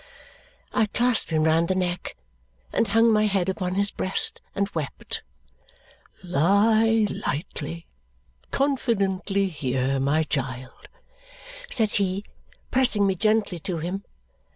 I clasped him round the neck and hung my head upon his breast and wept. "Lie lightly, confidently here, my child," said he, pressing me gently to him.